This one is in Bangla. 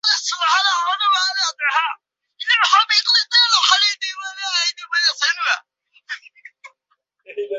আনোয়ারের দুই স্ত্রী ও সাত সন্তান রয়েছে।